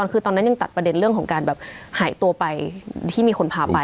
คือตอนนั้นยังตัดประเด็นเรื่องของการแบบหายตัวไปที่มีคนพาไป